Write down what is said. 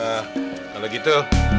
eh kalau gitu